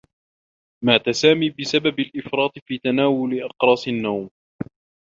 مات سامي بسبب الإفراط في تناول أقراص نوم.